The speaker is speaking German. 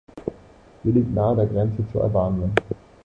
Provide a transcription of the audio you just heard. Sie liegt nahe der Grenze zu Albanien.